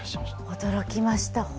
驚きました。